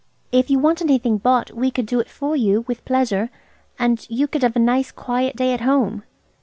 "If you want anything bought we could do it for you, with pleasure, and you could have a nice, quiet day at home."